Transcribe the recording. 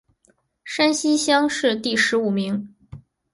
山西乡试第十五名。